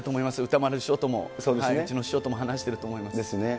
歌丸師匠とも、うちの師匠とも話していると思います。